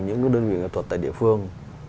những cái đơn vị nghệ thuật tại địa phương